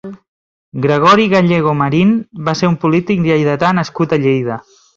Gregori Gallego Marín va ser un polític lleidatà nascut a Lleida.